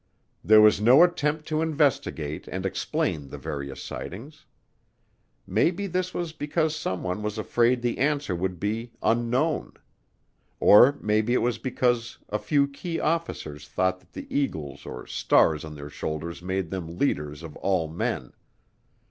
There was no attempt to investigate and explain the various sightings. Maybe this was because someone was afraid the answer would be "Unknown." Or maybe it was because a few key officers thought that the eagles or stars on their shoulders made them leaders of all men.